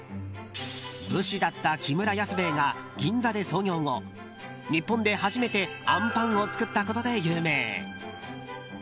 武士だった木村安兵衛が銀座で創業後日本で初めてあんぱんを作ったことで有名。